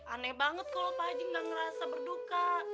aneh banget kalau pak haji gak ngerasa berduka